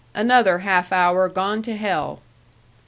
Another half hour gone to hell!"